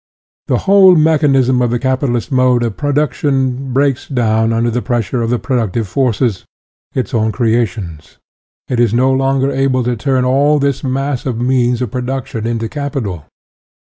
The whole mechanism of the capitalist mode of pro duction breaks down under the pressure of the productive forces, its own creations. It is no longer able to turn all this mass of means of production into capital.